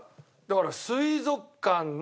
だから水族館の。